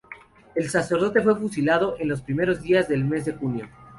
El sacerdote fue fusilado en los primeros días del mes de junio.